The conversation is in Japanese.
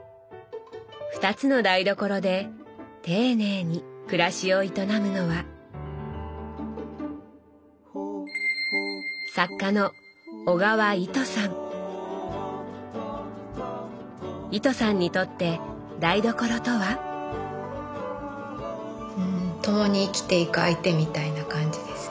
２つの台所で丁寧に暮らしを営むのは糸さんにとって台所とは？ともに生きていく相手みたいな感じですね。